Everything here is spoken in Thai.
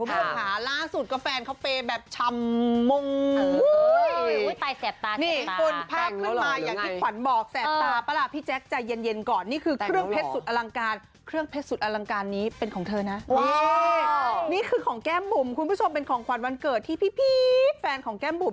ดีคุณผู้ชมหาว่าฟาสุดก็แฟนเค้าเปรตแบบฉมมมม